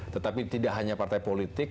tetapi tidak hanya partai politik